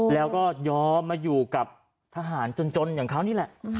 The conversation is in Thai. แล้วก็ยอมมาอยู่กับทหารจนอย่างเขานี่แหละ